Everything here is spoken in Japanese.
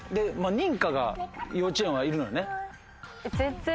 認可が幼稚園は要るのよね。